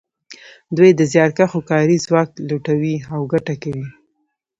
دوی د زیارکښو کاري ځواک لوټوي او ګټه کوي